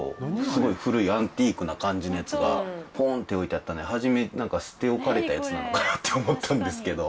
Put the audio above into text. すごい古いアンティークな感じのやつがポンって置いてあったんではじめ何か。って思ったんですけど。